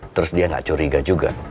terus dia gak curiga juga